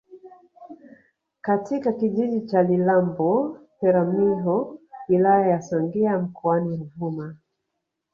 katika kijiji cha Lilambo Peramiho wilaya ya songea mkoani Ruvuma